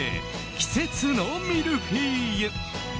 季節のミルフィーユ。